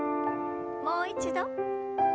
もう一度。